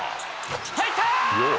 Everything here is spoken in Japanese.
入った！